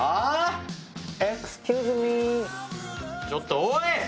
ちょっとおい！